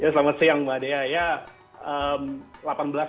selamat siang mbak dea